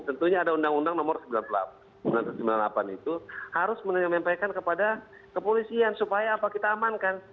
tentunya ada undang undang nomor sembilan puluh delapan itu harus menyampaikan kepada kepolisian supaya apa kita amankan